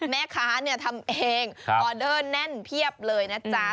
แม่ค้าทำเองออเดอร์แน่นเพียบเลยนะจ๊ะ